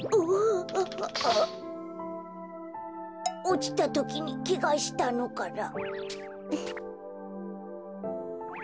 おちたときにけがしたのかな。